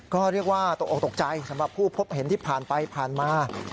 ก็เรียกว่าตกออกตกใจสำหรับผู้พบเห็นที่ผ่านไปผ่านมา